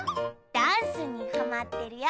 ダンスにハマってるよ！